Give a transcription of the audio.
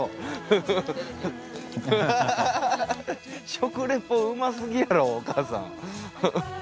食レポうますぎやろお母さん。